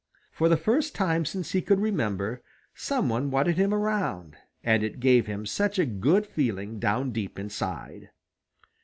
For the first time since he could remember some one wanted him around and it gave him such a good feeling down deep inside!